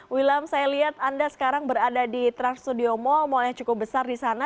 wilam saya lihat anda sekarang berada di trans studio mall mal yang cukup besar di sana